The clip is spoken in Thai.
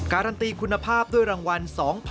การันตีคุณภาพด้วยรางวัล๒๐๐๐